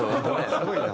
すごいな。